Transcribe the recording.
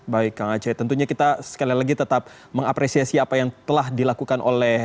baik kang aceh tentunya kita sekali lagi tetap mengapresiasi apa yang telah dilakukan oleh